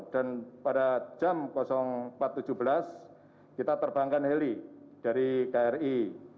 dan pada jam empat tujuh belas kita terbangkan heli dari kri